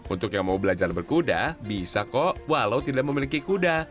untuk yang mau belajar berkuda bisa kok walau tidak memiliki kuda